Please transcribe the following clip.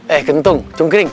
eh kentung cungkirin